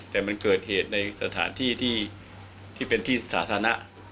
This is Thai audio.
แต่มันเกิดเหตุในสถานที่ที่เป็นที่สาธารณะ